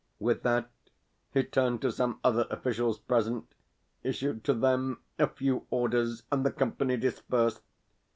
With that he turned to some other officials present, issued to them a few orders, and the company dispersed.